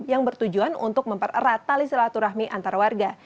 yang bertujuan untuk mempererat tali silaturahmi antar warga